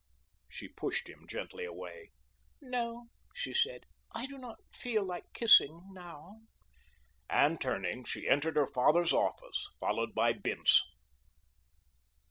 She pushed him gently away. "No," she said; "I do not feel like kissing now," and turning she entered her father's office, followed by Bince.